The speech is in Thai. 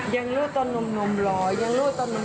ยังรู้ตอนนมหร๒๐๑๕